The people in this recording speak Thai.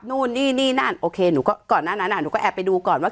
นู่นนี่นี่นั่นโอเคหนูก็ก่อนหน้านั้นหนูก็แอบไปดูก่อนว่า